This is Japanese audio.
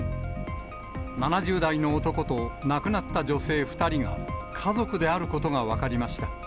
７０代の男と亡くなった女性２人が、家族であることが分かりました。